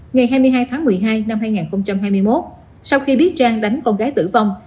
ngày hai mươi hai tháng một mươi hai năm hai nghìn hai mươi một sau khi biết trang đánh con gái tử vong